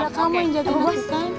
udah kamu yang jadi musik kan